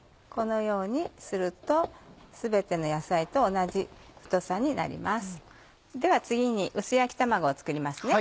このようにすると全ての野菜と同じ太さになります。